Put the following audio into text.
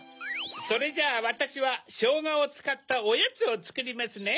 それじゃあわたしはショウガをつかったおやつをつくりますね。